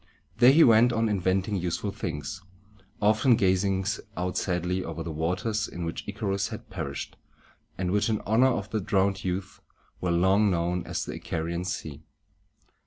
There he went on inventing useful things, often gazing out sadly over the waters in which Icarus had perished, and which, in honor of the drowned youth, were long known as the I ca´ri an Sea.